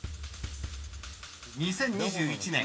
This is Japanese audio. ［２０２１年